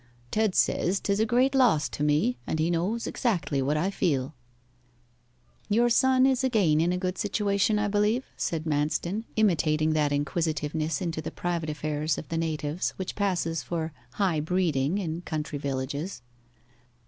Ted says 'tis a great loss to me, and he knows exactly what I feel.' 'Your son is again in a good situation, I believe?' said Manston, imitating that inquisitiveness into the private affairs of the natives which passes for high breeding in country villages.